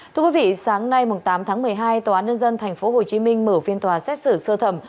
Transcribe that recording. thưa quý vị sáng nay tám tháng một mươi hai tòa án nhân dân tp hcm mở phiên tòa xét xử sơ thẩm